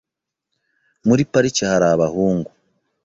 Muri parike hari abahungu .